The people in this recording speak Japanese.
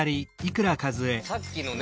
さっきのね